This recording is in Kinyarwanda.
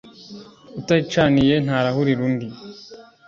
uticaniye ntarahurira undi.